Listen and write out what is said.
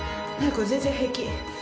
これ全然平気。